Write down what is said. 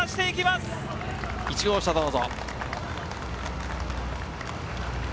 ２号車どうぞ。